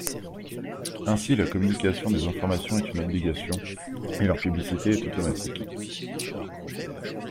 Ainsi, la communication des informations est une obligation, et leur publicité est automatique.